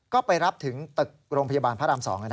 ก็ไปรับถึงตึกโรงพยาบาลพระราม๒